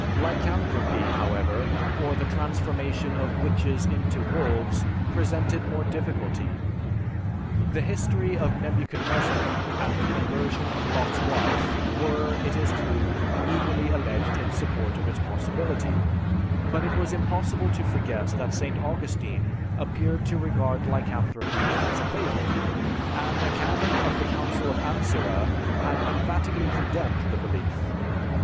Lycanthropy, however, or the transformation of witches into wolves, presented more difficulty. The history of Nebuchadnezzar and the conversion of Lot's wife were, it is true, eagerly alleged in support of its possibility; but it was impossible to forget that St. Augustine appeared to regard lycanthropy as a fable, and a canon of the Council of Ancyra had emphatically condemned the belief.